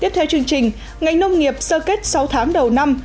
tiếp theo chương trình ngành nông nghiệp sơ kết sáu tháng đầu năm